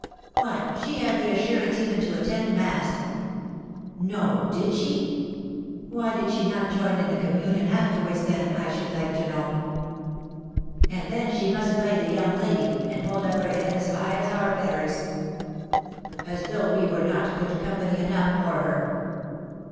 "Why, she had the assurance even to attend mass!" "No! Did she? Why did she not join in the communion afterwards then, I should like to know?" "And then she must play the young lady, and hold up her head as high as our betters!" "As though we were not good company enough for her!"